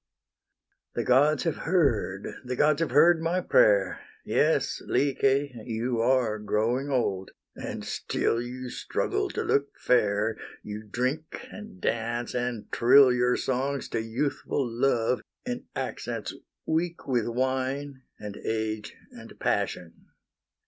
The gods have heard, the gods have heard my prayer; Yes, Lyce! you are growing old, and still You struggle to look fair; You drink, and dance, and trill Your songs to youthful Love, in accents weak With wine, and age, and passion.